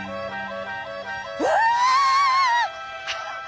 「うわ！」。